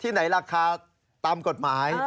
ไหนราคาตามกฎหมาย